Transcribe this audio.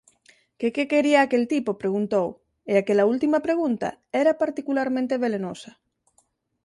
Que que quería aquel tipo, preguntou, e aquela última pregunta era particularmente velenosa.